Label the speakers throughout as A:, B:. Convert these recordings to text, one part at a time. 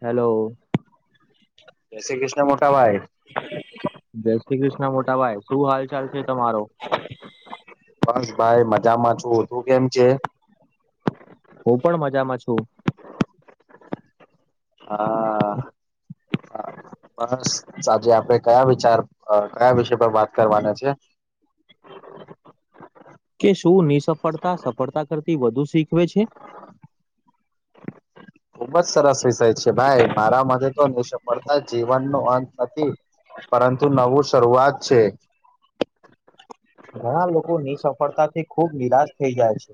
A: Hello.
B: જય શ્રી કૃષ્ણ મોટા ભાઈ.
A: જય શ્રી કૃષ્ણ મોટાભાઈ શું હાલ ચાલ છે તમારો.
B: બસ ભાઈ મજામાં છું તું કેમ છે.
A: હું પણ મજામાં છું.
B: હા બસ સાજે આપે કયા વિચાર કયા વિષય પર વાત કરવાના છે.
A: કે શું નિસફળતા સફળતા કરતી વધુ શીખવે છે
B: ખુબ જ સરસ વિષય છે ભાઈ મારા મગજ તો નિષ્ફળતા જીવન ન અંત નથી પરંતુ નવું શરૂઆત છે.
A: ઘણા લોકો ની સફળતા થી ખુબ નિરાશ થઇ જાય છે.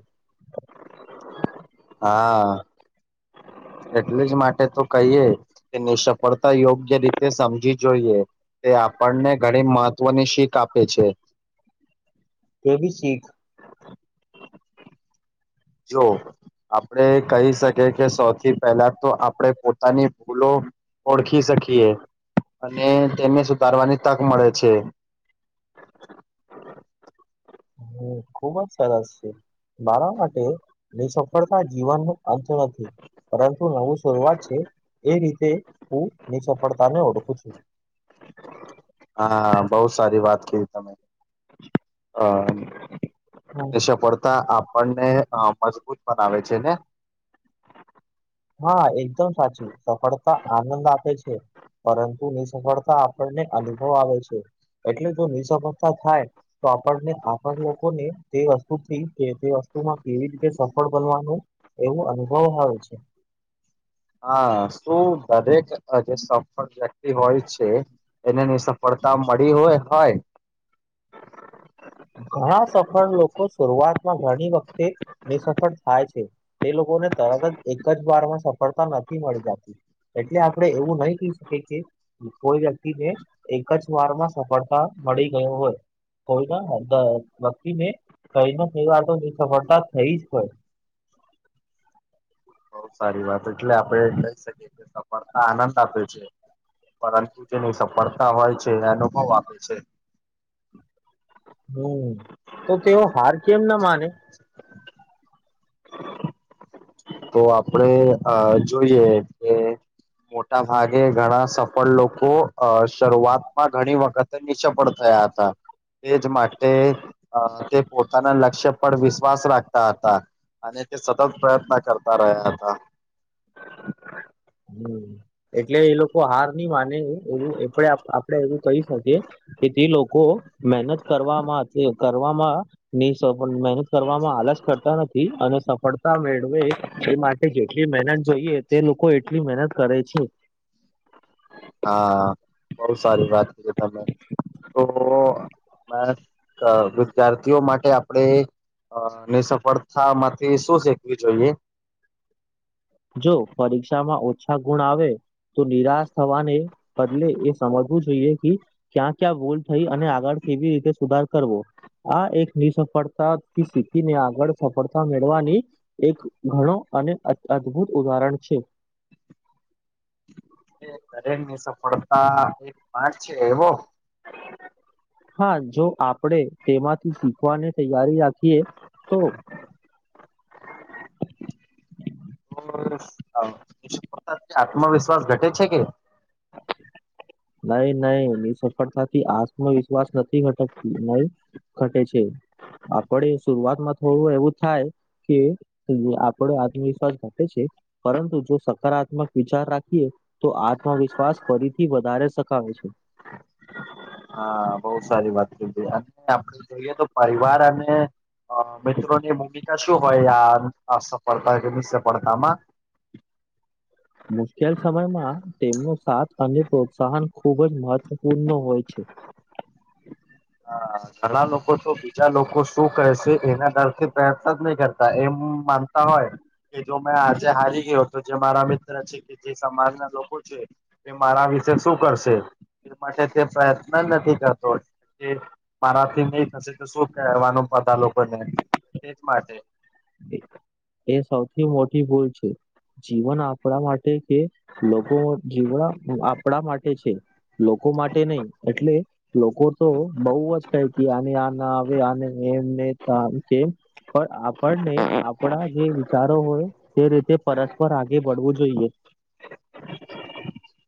B: હા એટલે જ માટે તો કહીએ નિસફળતા યોગ્ય રીતે સમજી જોઈએ. તે આપણને ઘણી મહત્વની શીખ આપે છે.
A: કેવી શીખ.
B: જો આપણે કહી શકી કે સૌથી પહેલા તો આપણે પોતાની ભૂલો ઓળખી શકીએ અને તેને સુધારવાની તક મળે છે.
A: હમ્મ, ખુબ જ સરસ છે. મારા માટે નિસફળતા જીવનનો અંત નથી. પરંતુ નવું શરૂઆત છે એ રીતે હું ની સફળતાને ઓળખું છું.
B: હા બહુ સારી વાત ક તમે અ તે સફળતા આપણને મજબૂત બનાવે છે ને
A: હા એકદમ સાચી સફળતા આનંદ આપે છે. પરંતુ નિસફળતા આપણને અનુભવ આવે છે એટલે જો નિસફળતા થાય તો આપણને આપણ લોકોને તે વસ્તુથી તે વસ્તુમાં કેવી રીતે સફળ બનવાનું એવું અનુભવ આવે છે.
B: હા શું દરેક જે સફળ વ્યક્તિ હોય છે. એનાની સફળતા મળી હોય હોય.
A: ઘણા સફળ લોકો શરૂઆતમાં ઘણી વખતે એ સફળ થાય છે. એ લોકોને તરત જ એક જ બાર માં સફળતા નથી મળ જતી. એટલે આપડે એવું નહી કહી શકીએ કે કોઈ વ્યક્તિ ને એક જ વારમાં સફળતા મળી ગયો હોય. વકી ને કઈને કઈ વાતો સફળતા થઈ જ હોય.
B: બહુ સારી વાત એટલે આપણે લઈ શકીએ કે સફળતા આનંદ આપે છે. પરંતુ જેની સફળતા હોય છે એ અનુભવ આપે છે.
A: હમ્મ તો તેઓ હાર કેમ ના માને?
B: તો આપણેે આ જોઈએ કે મોટા ભાગે ઘણા સફ પણ લોકો અ શરૂઆતમાં ઘણી વખતે નિષ્ફળ થયા હતા. તેજ માટે તે પોતાના લક્ષ્ય પર વિશ્વાસ રાખતા હતા. અને તે સતત પ્રયત્ન કરતા રહ્યા હતા.
A: હમ્મ એટલે એ લોકો હાર નહીં માને એવું આપડે એવું કહી શકીએ તેથી લોકો મહેનત કરવામાં કરવામાં નહી પણ મહેનત કરવામાં આલસ કરતા નથી અને સફળતા મેળવે એ માટે જેટલી મહેનત જોઈએ તે લોકો એટલી મહેનત કરે છે.
B: હા બહ સારી વાત કરીએ તમે તો વિદ્યાર્થીઓ માટે આપણેે વડથામાંથી શું શીખવી જોઈએ?
A: જો પરીક્ષામાં ઓછા ગુણ આવે તો નિરાશ થવાને બદલે એ સમજવું જોઈએ કે ક્યાં ક્યાં ભૂલ થઈ અને આગળ કેવી રીતે સુધાર કરવો? આ એક નિસફળતાથી શીખીને આગળ સફળતા મેળવાની એક ઘણો અને અદભુત ઉદાહરણ છે.
B: એરે ની સફળતા એક પાઠ છે એવો
A: હા જો આપણેે તેમાંથી શીખવાની તૈયારી રાખીએ તો
B: [unintelligible] આત્મવિશ્વાસ ઘટે છે કે
A: નહી નહી એની સફળતાથી આત્મવિશ્વાસ નથી ઘટકતી નહી. ઘટે છે, આપડે શરૂઆતમાં થોડું એવું થાય. કે આપડો આત્મવિશ્વાસ ઘટે છે. પરંતુ જો સકારાત્મક વિચાર રાખીએ તો આત્મવિશ્વાસ ફરીથી વધારે સખાવે છે.
B: હા બહુ સારી વાત કીધી અને આપડે જોઈએ તો પરિવાર અને અ મિત્રો ની ભૂમિકા શું હોય આ સફળતા કે નિ સફળતામાં?
A: મુશ્કેલ સમયમાં તેમનો સાથ અને પ્રોત્સાહન ખુબ જ મહત્વપૂર્ણ હોય છે.
B: હા ઘણા લોકો તો બીજા લોકો શું કહેશે એના ડરથી પ્રયત્ન જ નહી કરતા એમ માનતા હોય. કે જો મેં આજે હારી ગયો તો જે મારા મિત્ર છે કે જે સમાજના લોકો છે. કે મારા વિશે શું કરશે એ માટે તે પ્રયત્ન જ નથી કરતો. એ મારાથી નહી થશે તો શું કવાનું બધા લોકોને તેજ માટે.
A: એ સૌથી મોટી ભૂલ છે જીવન આપણા માટે કે લોકો જીવણ આપણા માટે છે લોકો માટે નહી એટલે લોકો તો બઉુ જ [unintelligible] આને આ ના આવે આ એમને કે પર આપ પણ નહી આપણા જે વિચારો હોય તે રીતે પરસ્પર આગે બળવું જોઈએ.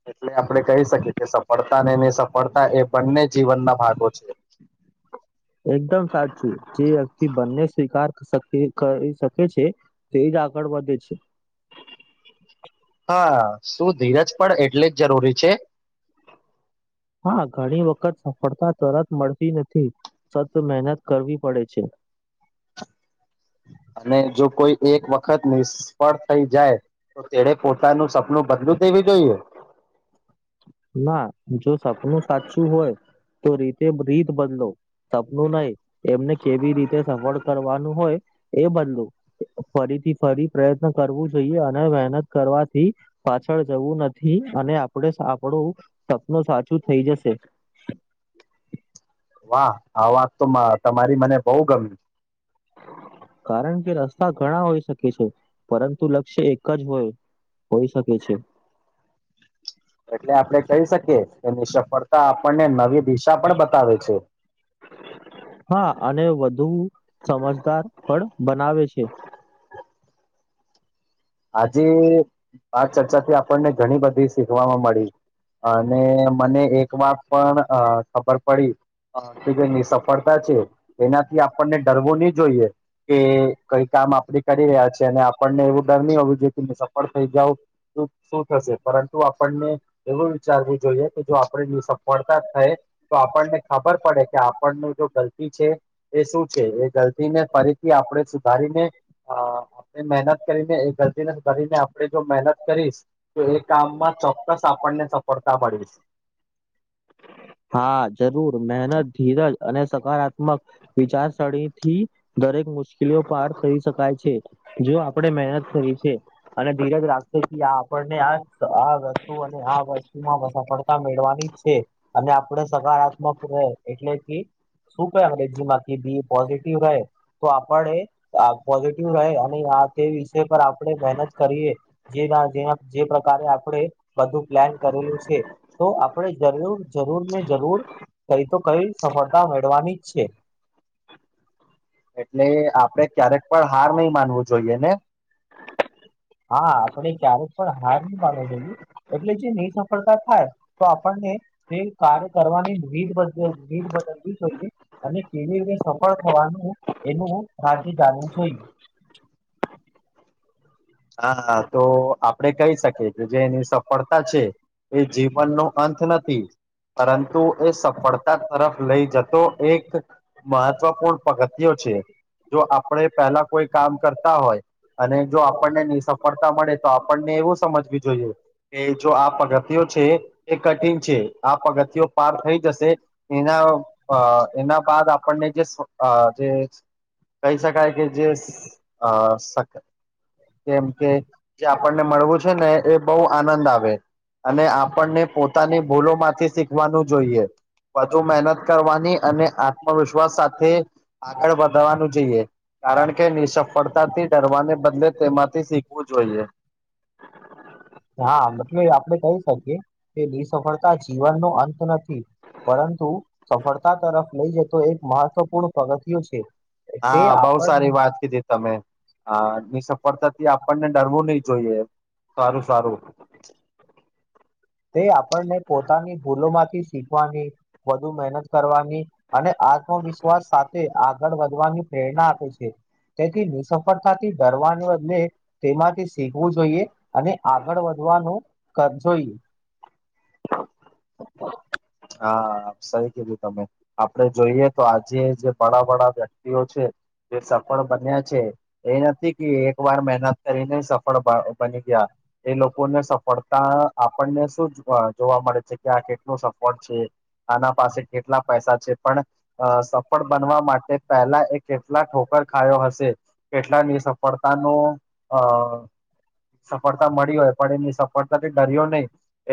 B: એટલે આપણે કહી શકીએ કે સફળતા અનેને નહી સફળતા એ બંને જીવન ના ભાગો છે
A: એકદમ સાચું જે વ્યક્તિ બંને સ્વીકાર કરી શકે છે તે જ આગળ વધે છે.
B: હા શું ધીરજ પણ એટલે જ જરૂરી છે?
A: હા ઘણી વખત સફળતા તરત મળતી નથી સતત મહેનત કરવી પડે છે.
B: અને જો કોઈ એક વખત નિષ્ફળ થઈ જાય તો તેણે પોતાનું સપનું બદલું દેવું જોઈએ?
A: ના જો સપનું સાચું હોય તો રીતે રીત બદલો. સપનું નહી એમને કેવી રીતે સફળ કરવાનું હોય એ બદલું. ફરીથી ફરી પ્રયત્ન કરવું જોઈએ અને મહેનત કરવાથી પાછળ જવું નથી અને આપણે આપણું સપનું સાચું થઈ જશે
B: વાહ આ વાત તો તમારી મને બહુ ગમ
A: કારણ કે રસ્તા ઘણા હોઈ શકે છે પરંતુ લક્ષ્ય એક જ હોય હોઈ શકે છે.
B: એટલે આપડણે કહી શકીએ કેની સફળતા આપણને નવી દિશા પણ બતાવે છે.
A: હા અને વધુ સમજદાર પણ બનાવે છે.
B: આજે આ ચર્ચા થી આપણને ઘણી બધી શીખવાવામાં મળી. અને મને એક વાર પણ ખબર પડી. હક ની સફળતા છે એનાથી આપણને ડરવો નહી જોઈએ કે કઈ કામ આપડ કરી રહ્યા છે અને આપણને એવું ડર નહી હોવું જો કે સફળ થઈ જાવ શું થશે પરંતુ આપણને એવું વિચારવું જોઈએ કે જો આપણેની સફળતા થઈ તો આપણને ખબર પડે કે આપણનું જો ગલતી છે એ શું છે એ ગલતી ને ફરીથી આપણે સુધારીને અ આપણે મહેનત કરીને એ ગતીને કરીરીને આપણે જો મહેનત કરીશ તો એ કામમાં ચોક્કસ આપણને સફળતા મળીશ
A: હા જરૂર મહેનત ધીરજ અને સકારાત્મક વિચારસરણી થી દરેક મુશ્કેલીઓ પાર થઈ શકાય છે. જો આપડે મહેનત કરી છે અને ધીરજ લાગશે કે આ આપણને આ આ વસ્તુ અને આ વસ્તુમાંસાફ મેળવાની છે અને આપણે સકારાત્મક રહે એટલેથી શું ક અંગ્રેજી માંથી બી પોઝિટિવ રહે તો આપડે આ પોઝિટિવ રહે અને આ તે વિષ પર આપણે મહેનત કરીએ જે જે પ્રકારે આપણે બધું પ્લાન કરેલું છે તો આપણેે જરૂર જરૂર ને જરૂર કઈ તો કઈ સફળતા મેળવાની જ છે
B: એટલે આપડે ક્યારેક પણ હાર નહિ માનવું જોઈએ ને
A: હા આપણે ક્યારેક પણ હાર પાડ છે. એટલે જે નિ સફળતા થાય તો આપણને તે કાર્ય કરવાની [unintelligible] બદલવી જોઈએ અને કેવી રીતે સફળ થવાનું એનું [unintelligible]
B: હા હા તો આપડે કઈ શકીએ કે જે એની સફળતા છે એ જીવન નો અંત નથી પરંતુ એ સફળતા તરફ લઈ જતો એક મહત્વપૂર્ણ પગથિયો છે જો આપણે પેલા કોઈ કામ કરતા હોય અને જો આ આપણને ની સફળતા મળે તો આપણને એવું સમજવી જોઈએ કે જો આ પગથિયો છે એ કઠિન છે આ પગથિયો પાર થઈ જશે. એના અ એના બાદ આપણને જે સફ જે કહી શકાય કે જે શક અ શક જેમ કે જે આપણને મળવું છે ને એ બો આનંદ આવે. અને આપણને પોતાની ભૂલોમાંથી શીખવાનું જોઈએ. વધુ મહેનત કરવાની અને આત્મવિશ્વાસ સાથે આગળ વધવાનું જોઈએ કારણ કે નિસફળતાથી ડરવાને બદલે તેમાંથી શીખવું જોઈએ.
A: હા મતલબ આપડે કહી શકીએ કે નિસફળતા જીવનનો અંત નથી. પરંતુ સફળતા તરફ લઈ જતો એક મહત્વપૂર્ણ પગથિયો છે. તે
B: હા બોઉ
A: આપણને
B: સારી વાત કીધી. તમે અ નિસફળતાથી આપણને ડરવું નઈ જોઈએ. સારું સારું.
A: તે આપણને પોતાની ભૂલો માંથી શીખવાની વધુ મહેનત કરવા ની અને આત્મવિશ્વાસ સાથે આગળ વધવાની પ્રેરણા આપે છે. તેથી નિસફળતાથી ડરવાને બદલે તેમાંથી શીખવું જોઈએ અને આગળ વધવાનું. [unintelligible]
B: હા સહી કીધું તમે. આપડે જોઈએ તો આજે જે બડા બડા વ્યક્તિઓ છે જે સફળ બન્યા છે. એ નથી કે એક વાર મહેનત કરીને સફળ બની ગ્યા. એ લોકોને સફળતા આપણને શું જોવા મળે છે કે આ કેટલું સફ કોણ છે આના પાસે કેટલા પૈસા છે પણ અ સફળ બનવા માટે પહેલા એ કેટલા ઠોકર ખાયો હશે. કેટલાની સફળતાનો અ સફળતા મળી હોય પણ એની નિસફળતાથી ડર્યો નઈ.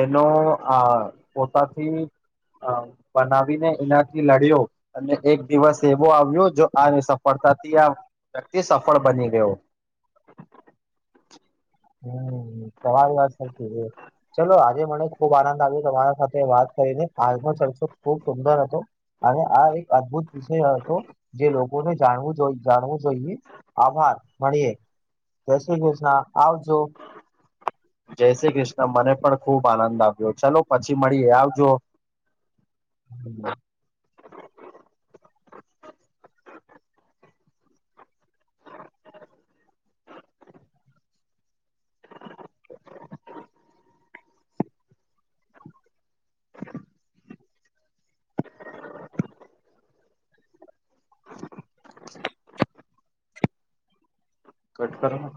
B: એનો આ પોતાથી. અ બનાવીને એનાથી લડ્યો. અને એક દિવસ એવો આવ્યો જો આ નિસફળતાથી આ વ્યક્તિ સફળ બની ગ્યો.
A: હમ્મ તમારી વાત સાચી છે. ચલો આજે મને ખુબ આનંદ આવ્યો તમારા સાથે વાત કરીને આજનો ચરચો ખુબ સુંદર હતો. અને આ એક અદભુત વિષય હતો જે લોકોને જાણવું જોઈએ. જાણવું જોઈએ આભાર મળીએ જય શ્રી કૃષ્ણ આવજો.
B: જય શ્રી કૃષ્ણ મને પણ ખુબ આનંદ આવ્યો ચાલો પછી મળીએ આવજો.
A: [inaudible]
B: કટ કરોને.